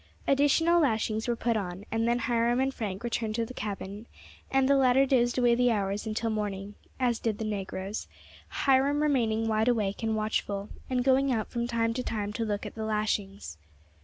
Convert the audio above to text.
Additional lashings were put on, and then Hiram and Frank returned to the cabin, and the latter dozed away the hours till morning, as did the negroes, Hiram remaining wide awake and watchful, and going out from time to time to look at the lashings.